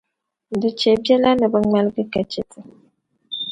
Di chɛ biɛla ni bɛ ŋmalgi a ka chɛ ti.